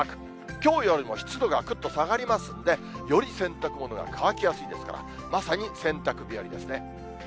きょうよりも湿度がぐっと下がりますんで、より洗濯物が乾きやすいですから、まさに洗濯日和ですね。